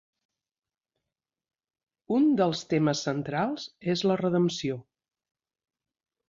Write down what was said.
Un dels temes centrals és la redempció.